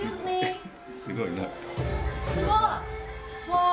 すごいね。